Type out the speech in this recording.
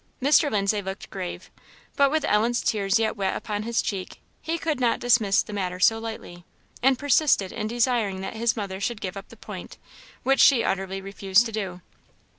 Mr. Lindsay looked grave; but with Ellen's tears yet wet upon his cheek, he could not dismiss the matter so lightly, and persisted in desiring that his mother should give up the point, which she utterly refused to do.